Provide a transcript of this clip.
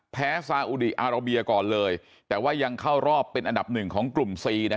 ซาอุดีอาราเบียก่อนเลยแต่ว่ายังเข้ารอบเป็นอันดับหนึ่งของกลุ่ม๔